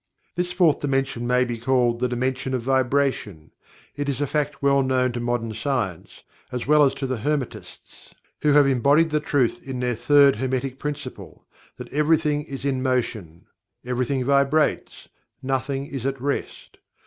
This Fourth Dimension may be called "The Dimension of Vibration" It is a fact well known to modern science, as well as to the Hermetists who have embodied the truth in their "Third Hermetic Principle," that "everything is in motion; everything vibrates; nothing is at rest."